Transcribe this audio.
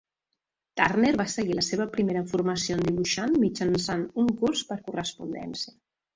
Turner va seguir la seva primera formació en dibuixant mitjançant un curs per correspondència.